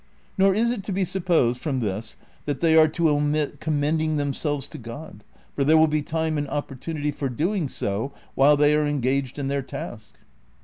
Nor is it to be supposed from this that they are to omit commending themselves to God, for there will be time and opportunity for doing so while they are engaged in their task."